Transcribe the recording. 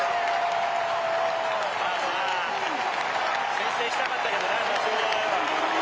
先制したかったからな。